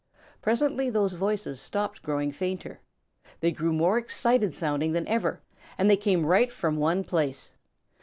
Presently those voices stopped growing fainter. They grew more excited sounding than ever, and they came right from one place.